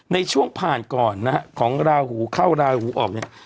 ในช่วงผ่านก่อนนะฮะของราหูเข้าราหูออกเนี่ย